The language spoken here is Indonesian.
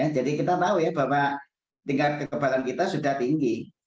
jadi kita tahu ya bahwa tingkat kekebalan kita sudah tinggi